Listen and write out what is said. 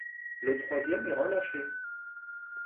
Le troisième est relâché.